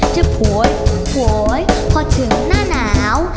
จะโหยโหยโหยพอถึงหน้าหนาว